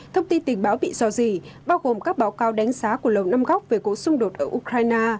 thông tin tình báo bị dò dì bao gồm các báo cáo đánh xá của lầu năm góc về cố xung đột ở ukraine